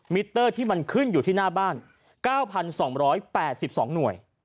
มิเตอร์ที่มันขึ้นอยู่ที่หน้าบ้าน๙๒๘๒หน่วย